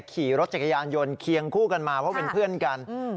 ขี่รถจักรยานยนต์เคียงคู่กันมาเพราะเป็นเพื่อนกัน